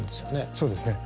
そうですね。